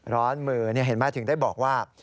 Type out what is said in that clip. ร้อนมือเห็นไหมถึงได้บอกว่า